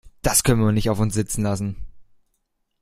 Das können wir nicht auf uns sitzen lassen!